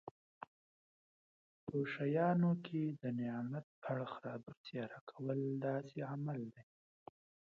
په شیانو کې د نعمت اړخ رابرسېره کول داسې عمل دی.